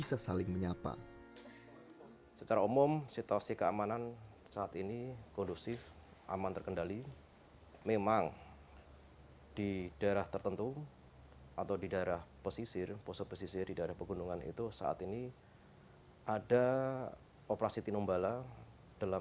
saya yakin mau membuktikan bahwa orang orang pohoso itu adalah orang orang baik